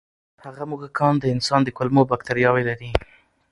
هغه موږکان د انسان د کولمو بکتریاوې لري.